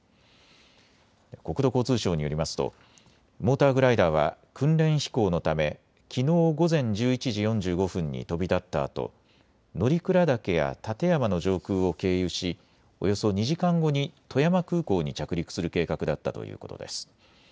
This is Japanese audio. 国土交通省によりますとモーターグライダーは訓練飛行のため、きのう午前１１時４５分に飛び立ったあと乗鞍岳や立山の上空を経由しおよそ２時間後に富山空港に着陸する計画だったということです。